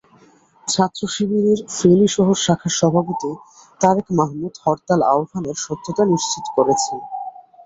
ছাত্রশিবিরের ফেনী শহর শাখার সভাপতি তারেক মাহমুদ হরতাল আহ্বানের সত্যতা নিশ্চিত করেছেন।